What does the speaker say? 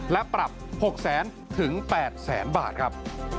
และปรับ๖๐๐๐๐๐๘๐๐๐๐๐บาทครับ